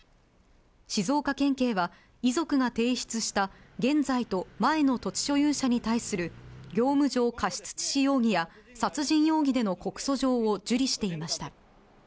静岡県警は、遺族が提出した、現在と前の土地所有者に対する業務上過失致死容疑や殺人容疑での告訴状を受理していました。